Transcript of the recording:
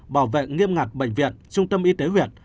bảo vệ nghiêm ngặt bệnh viện trung tâm y tế huyện